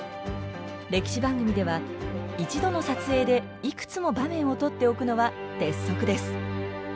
歴史番組では一度の撮影でいくつも場面を撮っておくのは鉄則です。